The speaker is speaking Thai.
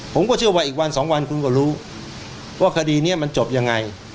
ผมก็เชื่อว่าอีกวันสองวันคุณก็รู้ว่าคดีนี้มันจบยังไง